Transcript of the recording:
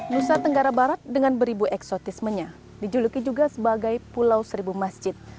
nusa tenggara barat dengan beribu eksotismenya dijuluki juga sebagai pulau seribu masjid